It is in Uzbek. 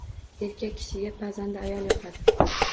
Erkak kishiga pazanda ayol yoqadi